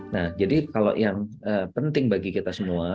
nah jadi kalau yang penting bagi kita semua